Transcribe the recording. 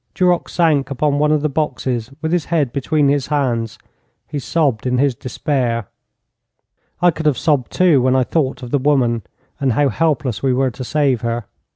Duroc sank upon one of the boxes with his head between his hands. He sobbed in his despair. I could have sobbed, too, when I thought of the woman and how helpless we were to save her.